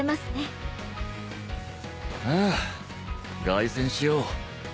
ああ凱旋しよう。